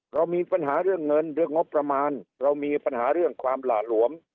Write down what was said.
เรามีปัญหาเรื่องเงินเรื่องงบประมาณเรามีปัญหาเรื่องความหละหลวม